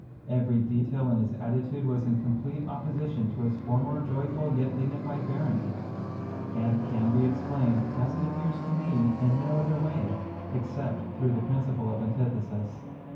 Every detail in his attitude was in complete opposition to his former joyful yet dignified bearing; and can be explained, as it appears to me, in no other way, except through the principle of antithesis.